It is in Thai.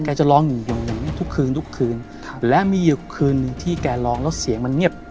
จะร้องอยู่อย่างงี้ทุกคืนทุกคืนครับและมีอยู่คืนหนึ่งที่แกร้องแล้วเสียงมันเงียบ